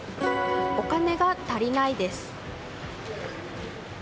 お金が足りないです。